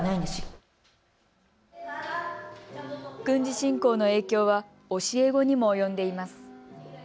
軍事侵攻の影響は教え子にも及んでいます。